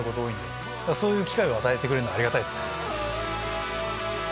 そういう機会を与えてくれるのはありがたいですね。